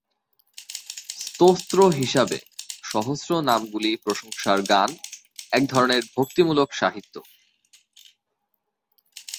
স্তোত্র হিসাবে, সহস্র-নামগুলি প্রশংসার গান, এক ধরনের ভক্তিমূলক সাহিত্য।